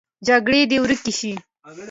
جګړې دې ورکې شي